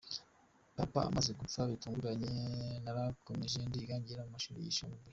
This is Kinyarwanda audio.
Papa amaze gupfa, bitunguranye, narakomeje ndiga ngera mu mashuri y’ isumbuye.